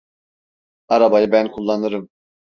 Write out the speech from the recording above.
Arabayı ben kullanırım.